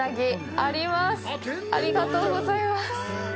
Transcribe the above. ありがとうございます！